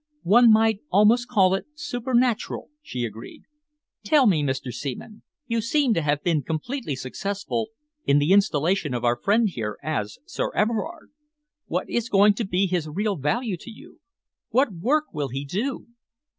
"One might almost call it supernatural," she agreed. "Tell me, Mr. Seaman, you seem to have been completely successful in the installation of our friend here as Sir Everard. What is going to be his real value to you? What work will he do?"